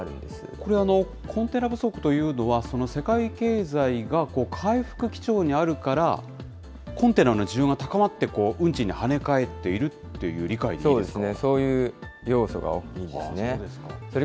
これ、コンテナ不足というのは、世界経済が回復基調にあるから、コンテナの需要が高まって、運賃に跳ね返っているという理解でいいんですか。